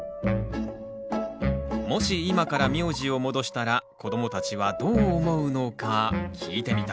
もし今から名字を戻したら子どもたちはどう思うのか聞いてみた。